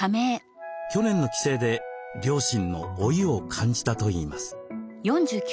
去年の帰省で両親の老いを感じたといいます。